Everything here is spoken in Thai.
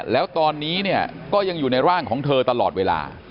แล้วตอนนี้เนี่ยก็ยังอยู่ในร่างของเธอตลอดเวลา